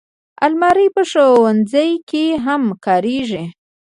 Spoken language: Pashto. الماري په ښوونځي کې هم کارېږي